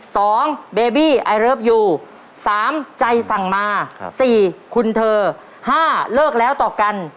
สองเบบี้ไอเริฟยูสามใจสั่งมาครับสี่คุณเธอห้าเลิกแล้วต่อกัน